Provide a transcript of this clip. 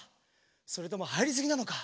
それともはいりすぎなのか？